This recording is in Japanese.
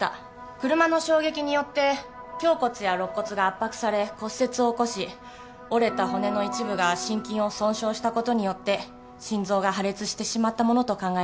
車の衝撃によって胸骨や肋骨が圧迫され骨折を起こし折れた骨の一部が心筋を損傷したことによって心臓が破裂してしまったものと考えられます。